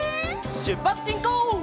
しゅっぱつしんこう！